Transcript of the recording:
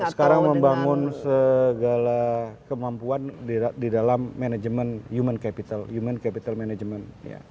sekarang membangun segala kemampuan di dalam manajemen human capital human capital management